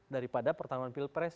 daripada pertarungan pilpres